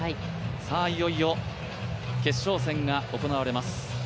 いよいよ決勝戦が行われます。